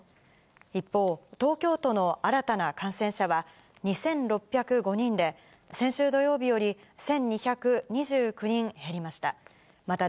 一方、東京都の新たな感染者は２６０５人で、先週土曜日より１２２９人減りました。